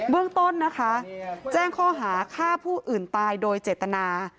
เรื่องต้นนะคะแจ้งข้อหาฆ่าผู้อื่นตายโดยเจตนา